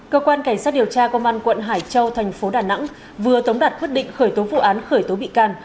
cơ quan cảnh sát điều tra công an quận hải châu thành phố đà nẵng vừa tống đặt quyết định khởi tố vụ án khởi tố bị can